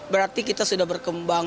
berarti kita sudah berkembang